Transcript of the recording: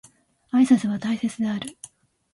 挨拶は大切である